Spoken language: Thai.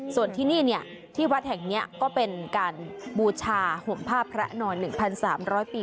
ส่วนที่นี่ที่วัดแห่งนี้ก็เป็นการบูชาห่มผ้าพระนอน๑๓๐๐ปี